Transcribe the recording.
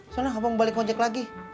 soalnya gak mau balik konjek lagi